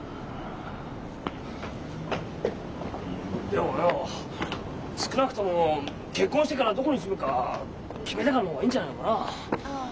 でもよ少なくとも結婚してからどこに住むか決めてからの方がいいんじゃないのかなあ？